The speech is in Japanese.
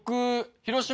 広島